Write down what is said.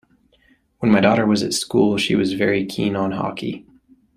When my daughter was at school she was very keen on hockey